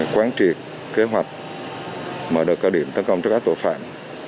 quán trị kế hoạch mở đợi cao điểm tấn công cho các tội phạm